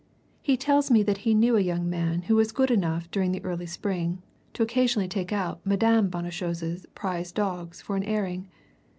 He tells me that he knew a young man who was good enough during the early spring, to occasionally take out Madame Bonnechose's prize dogs for an airing.